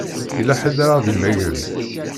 Yella ḥedd ara ɣ-d-imagren?